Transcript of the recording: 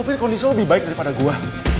lo pilih kondisi lo lebih baik daripada gue